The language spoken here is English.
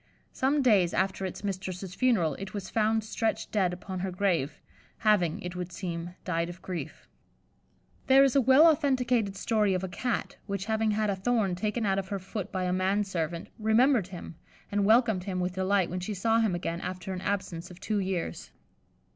Some days after its mistress's funeral, it was found stretched dead upon her grave, having, it would seem, died of grief. There is a well authenticated story of a Cat which having had a thorn taken out of her foot by a man servant, remembered him, and welcomed him with delight when she saw him again after an absence of two years.